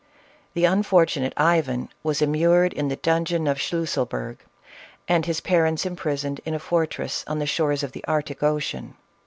The unfortunate Ivan was immured in the dungeon of Schlusselburgh, and his parents imprisoned in a fortress on the shores of the Arctic ocean.